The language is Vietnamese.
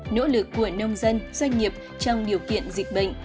nỗ lực của nông dân doanh nghiệp trong điều kiện dịch bệnh